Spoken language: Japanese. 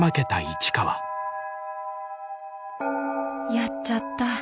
やっちゃった。